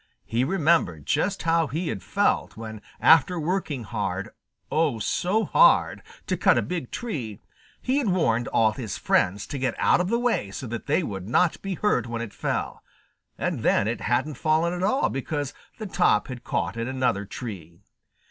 He remembered just how he had felt when after working hard, oh, so hard, to cut a big tree, he had warned all his friends to get out of the way so that they would not be hurt when it fell, and then it hadn't fallen at all because the top had caught in another tree.